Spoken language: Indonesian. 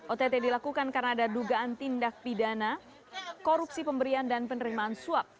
ott dilakukan karena ada dugaan tindak pidana korupsi pemberian dan penerimaan suap